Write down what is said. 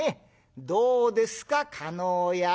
どうですか叶屋さん。